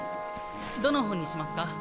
どの本にしますか？